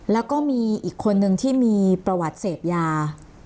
แล้วก็มีอีกคนนึงที่มีประวัติเสพยา